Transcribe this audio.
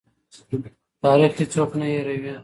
تاریخ هېڅوک نه هېروي.